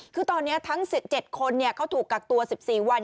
คือตอนนี้ทั้ง๑๗คนเขาถูกกักตัว๑๔วัน